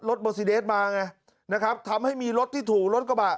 โบซีเดสมาไงนะครับทำให้มีรถที่ถูกรถกระบะ